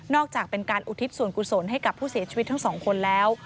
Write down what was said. จากเป็นการอุทิศส่วนกุศลให้กับผู้เสียชีวิตทั้งสองคนแล้ว